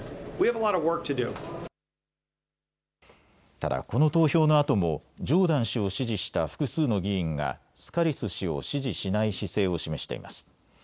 ただこの投票のあともジョーダン氏を支持した複数の議員がスカリス氏を支持しない姿勢を示しています。